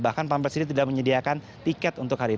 bahkan pampel sendiri tidak menyediakan tiket untuk hadir